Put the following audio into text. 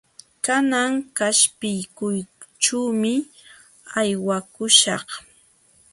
Kanan qaspiykuyćhuumi aywakuśhaq.